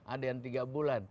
ada yang tiga bulan